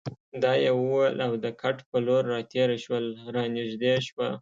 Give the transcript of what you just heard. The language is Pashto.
دا یې وویل او د کټ په لور راتېره شول، را نږدې شوه.